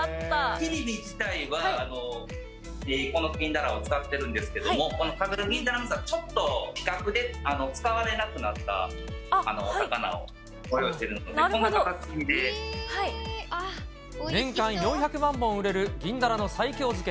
切り身自体はこの銀だらを使ってるんですけども、この食べる銀だら味噌はちょっと規格で使われなくなったお魚をご用意しているので、年間４００万本売れる銀だらの西京漬け。